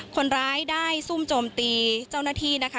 คนร้ายได้ซุ่มโจมตีเจ้าหน้าที่นะคะ